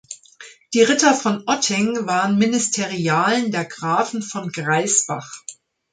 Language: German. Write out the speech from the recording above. Die Ritter von Otting waren Ministerialen der Grafen von Graisbach.